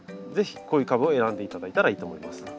是非こういう株を選んで頂いたらいいと思います。